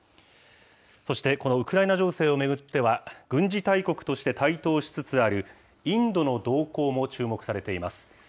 そしてこのウクライナ情勢を巡っては、軍事大国として台頭しつつあるインドの動向も注目されています。